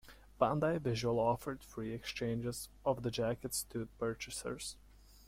Bandai Visual offered free exchanges of the jackets to purchasers.